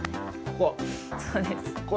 ここ。